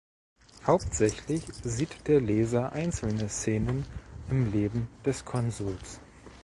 Hauptsächlich sieht der Leser einzelne Szenen im Leben des Konsuls.